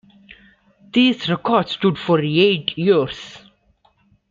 These records stood for eight years.